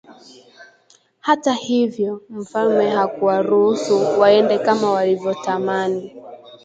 Hata hivyo mfalme hakuwaruhusu waende kama walivyotamani